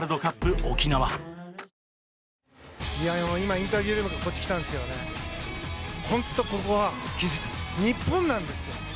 インタビュールームからこっちに来たんですけど本当、ここは日本なんですよ。